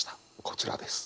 こちらです。